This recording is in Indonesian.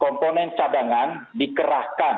komponen cadangan dikerahkan